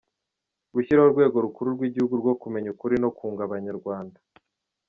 – Gushyiraho urwego rukuru rw’igihugu rwo kumenya ukuri no kwunga Abanyarwanda